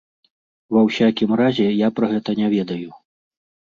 Ва ўсякім разе, я пра гэта не ведаю.